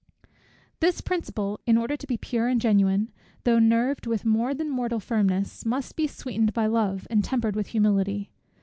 This principle, in order to be pure and genuine, though nerved with more than mortal firmness, must be sweetened by love, and tempered with humility.